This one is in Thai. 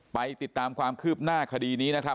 ไปติดตามความคืบหน้าคดีนี้นะครับ